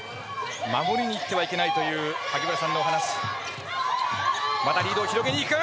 守りにいってはいけないという萩原さんのお話。